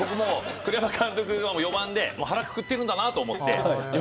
栗山監督が４番で腹をくくってると思って。